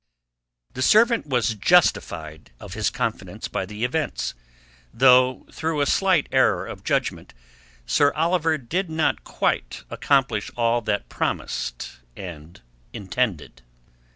The servant was justified of his confidence by the events, though through a slight error of judgment Sir Oliver did not quite accomplish all that promised and intended.